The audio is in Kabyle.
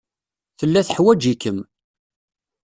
Tella teḥwaj-ikem.